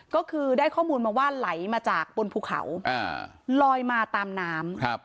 ก็คือได้ข้อมูลมาว่าไหลมาจากบนภูเขาลอยมาตามน้ำ